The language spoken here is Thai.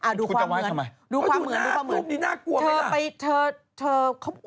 คุณจะไว้ทำไมหน้าปุ๊บนี้หน้ากลัวไหมล่ะดูความเหมือน